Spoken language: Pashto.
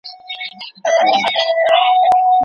ړوند ډاکټر کولای سي په ګڼ ځای کي اوږده کیسه